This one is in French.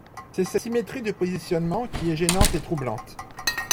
C’est cette symétrie de positionnement qui est gênante et troublante.